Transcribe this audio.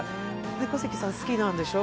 小関さん、好きなんでしょう？